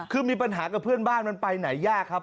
คือมีปัญหากับเพื่อนบ้านมันไปไหนยากครับ